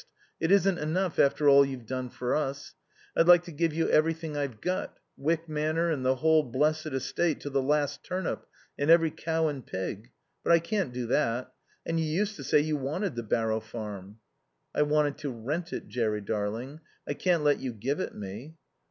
It isn't enough, after all you've done for us. I'd like to give you everything I've got; Wyck Manor and the whole blessed estate to the last turnip, and every cow and pig. But I can't do that. And you used to say you wanted the Barrow Farm." "I wanted to rent it, Jerry darling. I can't let you give it me."